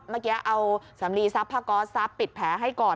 เมื่อกี้เอาสำลีซับผ้าก๊อตซับปิดแผลให้ก่อน